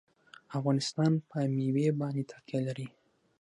افغانستان په مېوې باندې تکیه لري.